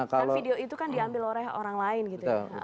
kan video itu kan diambil oleh orang lain gitu ya